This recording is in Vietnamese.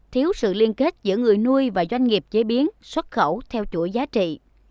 thiếu sự liên kết giữa người nuôi và doanh nghiệp chế biến xuất khẩu theo chuỗi giá trị